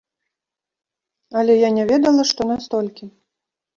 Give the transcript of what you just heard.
Але я не ведала, што настолькі.